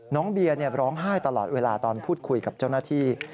เบียร์ร้องไห้ตลอดเวลาตอนพูดคุยกับเจ้าหน้าที่